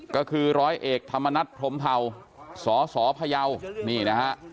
ก็คือร้อยเอกธรรมนัฐพรมเผาสสพยาวนี่นะฮะ